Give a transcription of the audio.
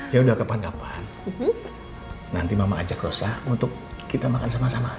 ya udah kapan kapan nanti mama ajak rosa untuk kita makan sama sama